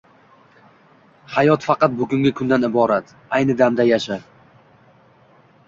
Hayot faqat bugungi kundan iborat. Ayni damda yasha.